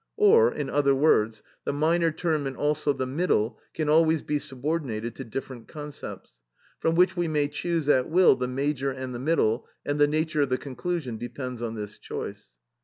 Or, in other words, the minor term and also the middle can always be subordinated to different concepts, from which we may choose at will the major and the middle, and the nature of the conclusion depends on this choice.